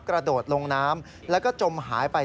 กระโดดลงน้ำแล้วก็จมหายไป